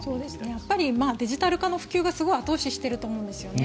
やっぱりデジタル化の普及がすごい後押ししてると思うんですね。